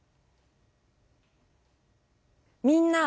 みんな。